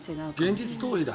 現実逃避だ。